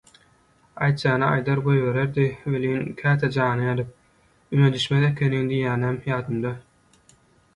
aýtjagyny aýdar goýbererdi welin, käte jany ýanyp «Üme düşmez ekeniň» diýýänem ýadymda.